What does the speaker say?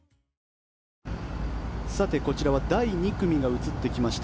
こちらは第２組が映ってきました。